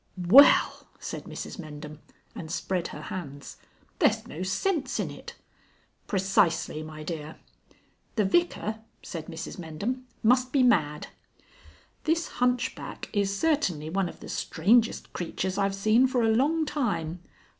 "Well!" said Mrs Mendham, and spread her hands. "There's no sense in it." "Precisely, my dear." "The Vicar," said Mrs Mendham, "must be mad." "This hunchback is certainly one of the strangest creatures I've seen for a long time.